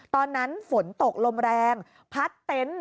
ตอนนั้นฝนตกลมแรงพัดเต็นต์